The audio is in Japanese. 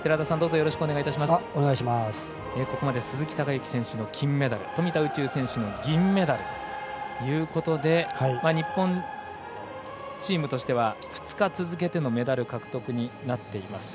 ここまで鈴木孝幸の金メダル富田宇宙選手の銀メダルということで日本チームとしては２日続けてのメダル獲得になっています。